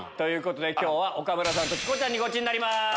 今日は岡村さんとチコちゃんにゴチになります。